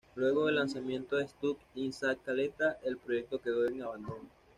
Luego del lanzamiento de ""Stuck In Sa Caleta"", el proyecto quedó en abandono.